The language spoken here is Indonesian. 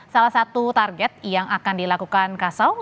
salah satu target yang akan dilakukan kasau